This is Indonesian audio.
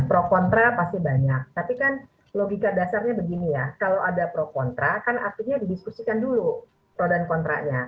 pro kontra pasti banyak tapi kan logika dasarnya begini ya kalau ada pro kontra kan artinya didiskusikan dulu pro dan kontranya